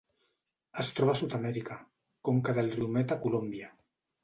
Es troba a Sud-amèrica: conca del riu Meta a Colòmbia.